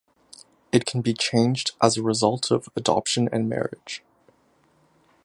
It can be changed as a result of adoption and marriage.